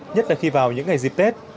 nhất là khi vào những ngày dịp tết